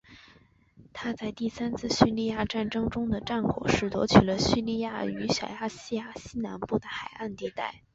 他在第三次叙利亚战争中的战果是夺取了叙利亚与小亚细亚西南部的海岸地带。